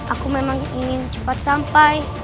aku memang ingin cepat sampai